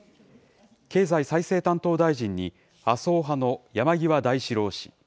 経済再生担当大臣に麻生派の山際大志郎氏。